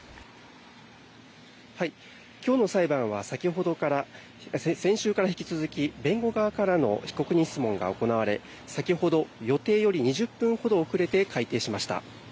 今日の裁判は先週から引き続き弁護側からの被告人質問が行われ先ほど、予定より２０分ほど遅れて開廷しました。